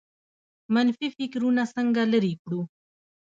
منفي فکرونه څنګه لرې کړو؟